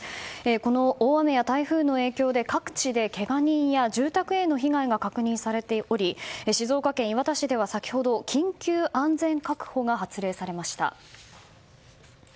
この大雨や台風の影響で各地でけが人や住宅への被害が確認されており静岡県磐田市では先ほど、緊急安全確保が発令されました。